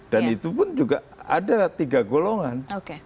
dan itu pun juga ada tiga golongan